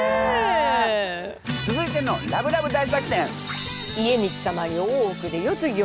続いてのラブラブ大作戦。